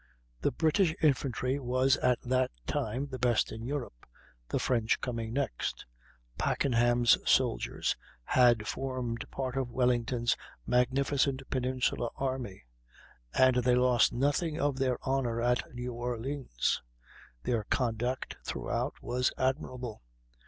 The British infantry was at that time the best in Europe, the French coming next. Packenham's soldiers had formed part of Wellington's magnificent peninsular army, and they lost nothing of their honor at New Orleans. Their conduct throughout was admirable.